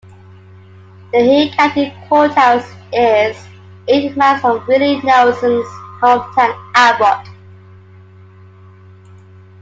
The Hill County courthouse is eight miles from Willie Nelson's hometown, Abbott.